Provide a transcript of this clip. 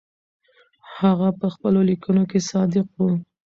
هغه په خپلو لیکنو کې صادق و.